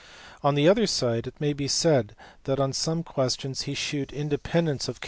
On the other side it may be said that on some questions he shewed independence of LAPLACE.